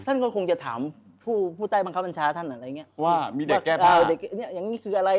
ท่านก็คงจะถามผู้ใต้บังคับอัญชาท่านอะไรอย่างเนี่ย